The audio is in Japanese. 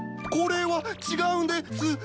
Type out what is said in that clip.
これは違うんです。